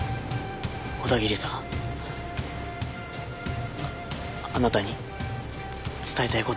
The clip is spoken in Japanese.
小田切さんあなたにつっ伝えたいことが。